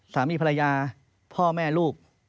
สามีภรรยาพ่อแม่ลูก